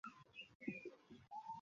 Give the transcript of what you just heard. তাহার আর পরিণামচিন্তা রহিল না।